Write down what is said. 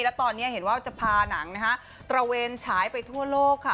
แล้วตอนนี้เห็นว่าจะพาหนังนะฮะตระเวนฉายไปทั่วโลกค่ะ